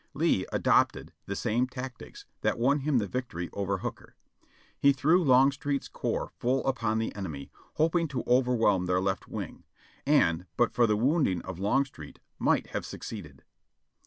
Lee adopted the same tactics that won him the victory over Hooker. He threw Longstreet's corps full upon the enemy, hoping to overwhelm their left wing, and but for the wounding of Longstreet, might have succeeded.